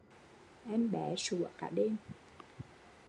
Em bé sủa cả đêm